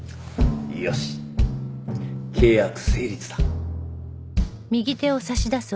よし契約成立だ。